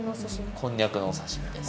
こんにゃくのおさしみです。